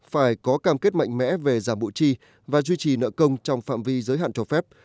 phải có cam kết mạnh mẽ về giảm bộ chi và duy trì nợ công trong phạm vi giới hạn cho phép